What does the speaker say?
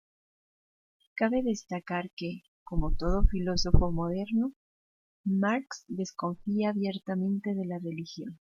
Cabe destacar que, como todo filósofo moderno, Marx desconfía abiertamente de la religión.